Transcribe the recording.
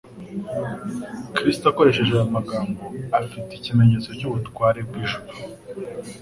Kristo akoresheje aya magambo afite ikimenyetso cy'ubutware bw'ijuru,